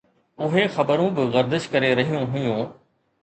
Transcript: اهي خبرون به گردش ڪري رهيون هيون